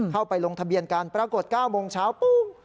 ไปลงทะเบียนกันปรากฏ๙โมงเช้าปุ้ง